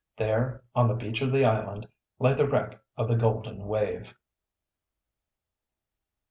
There, on the beach of the island, lay the wreck of the Golden Wave.